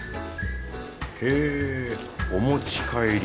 へお持ち帰り。